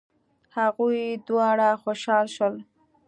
هغوی دواړه خوشحاله شول.